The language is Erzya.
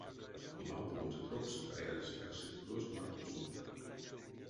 Лавтовонзо трокс каязь якстере крёст марто сумка.